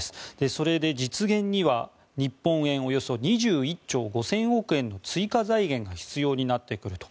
それで実現には日本円でおよそ２１兆５０００億円の追加財源が必要になってくると。